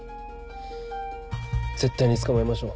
絶対に捕まえましょう。